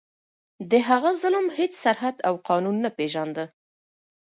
د هغه ظلم هیڅ سرحد او قانون نه پېژانده.